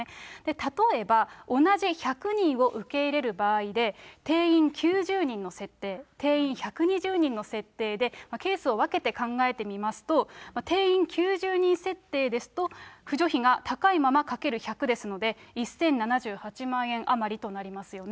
例えば、同じ１００人を受け入れる場合で、定員９０人の設定、定員１２０人の設定で、ケースを分けて考えてみますと、定員９０人設定ですと、扶助費が高いままかける１００ですので、１０７８万円余りとなりますよね。